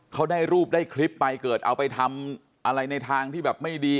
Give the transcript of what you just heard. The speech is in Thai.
เขาได้รูปได้คลิปไปเกิดเอาไปทำอะไรในทางที่แบบไม่ดี